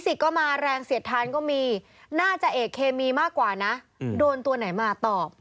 ก็มาแรงเสียดทานก็มีน่าจะเอกเคมีมากกว่านะโดนตัวไหนมาตอบ